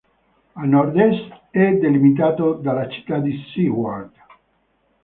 A nord-est è delimitato dalla città di Seward.